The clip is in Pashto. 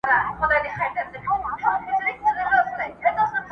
مور بې حاله کيږي ناڅاپه.